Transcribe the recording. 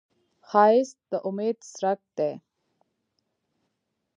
ښایست د امید څرک دی